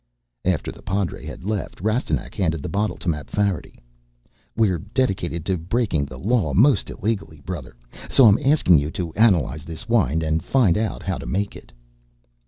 After the padre had left, Rastignac handed the bottle to Mapfarity. "We're dedicated to breaking the law most illegally, brother. So I'm asking you to analyze this wine and find out how to make it."